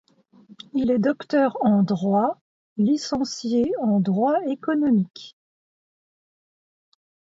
Il est docteur en droit, liencié en droit économique.